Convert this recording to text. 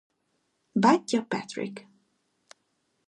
Bátyja Patrick.